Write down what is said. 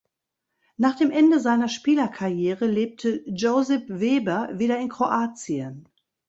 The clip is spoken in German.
Nach dem Ende seiner Spielerkarriere lebte Josip Weber wieder in Kroatien.